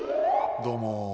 どうも。